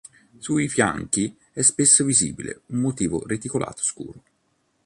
Sui fianchi è spesso visibile un motivo reticolato scuro.